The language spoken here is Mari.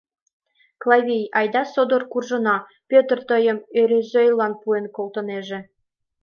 Клавий, айда содор куржына Пӧтыр тыйым Ӧрӧзӧйлан пуэн колтынеже.